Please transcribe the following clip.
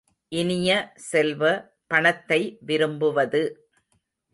இனிய செல்வ, பணத்தை விரும்புவது.